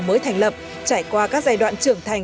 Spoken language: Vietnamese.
mới thành lập trải qua các giai đoạn trưởng thành